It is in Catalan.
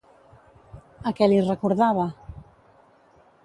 A què li recordava?